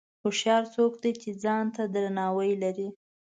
هوښیار څوک دی چې ځان ته درناوی لري.